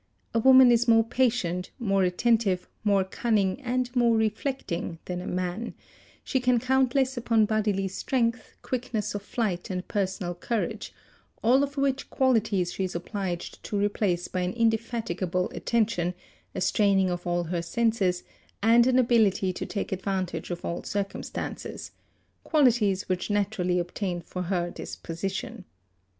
A woman is more patient, more attentive, more cunning, and more reflecting than a man; she can count less upon bodily strength, quickness of flight, and personal courage, all of which qualities she is obliged to replace by an indefatigable attention, a straining of all | her senses, and an ability to take advantage of all circumstances— y qualities which naturally obtain for her this position.